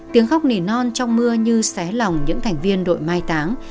tiếng khóc nỉ non trong mưa như xé lòng những thành viên đội mai táng